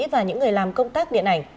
và những người làm công tác điện ảnh